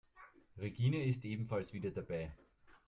Regine ist ebenfalls wieder dabei.